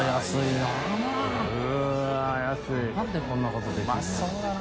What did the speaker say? なんでこんなことできるんやろ？